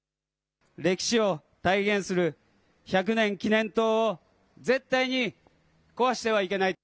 歴史を体現する百年記念塔を絶対に壊してはいけない。